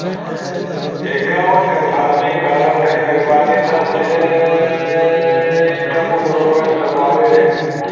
اکاونٹ کنفارمنگ کارا تھئی مہربانی تھا، تھیم تمو پروفائل سپاری۔